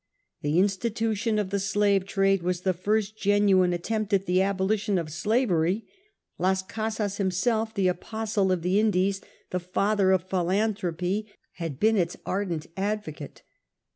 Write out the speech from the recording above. The institution of the slave trade was the first genuine attempt at the abolition of slavery. Las Casas himself, the apostle of the Indies, the father of philanthropy, had been its ardent advocate.